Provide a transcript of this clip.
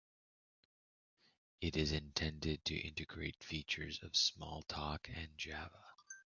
It is intended to integrate features of Smalltalk and Java.